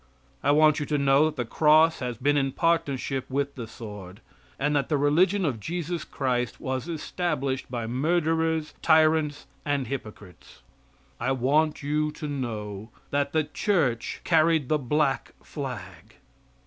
I want you to know that the cross has been in partnership with the sword, and that the religion of Jesus Christ was established by murderers, tyrants and hypocrites. I want you to know that the church carried the black flag.